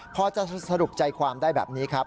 พอจะสรุปใจความได้แบบนี้ครับ